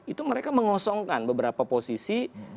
itu mereka mengosongkan beberapa posisi